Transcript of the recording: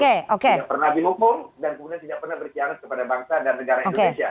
tidak pernah dihukum dan kemudian tidak pernah berkhianat kepada bangsa dan negara indonesia